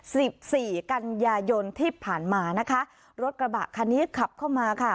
สิบสี่กันยายนที่ผ่านมานะคะรถกระบะคันนี้ขับเข้ามาค่ะ